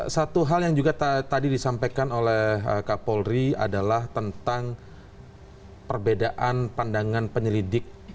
satu hal yang juga tadi disampaikan oleh kapolri adalah tentang perbedaan pandangan penyelidik